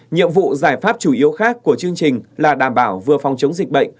nhiệm vụ giải pháp chủ yếu khác của chương trình là đảm bảo vừa phòng chống dịch bệnh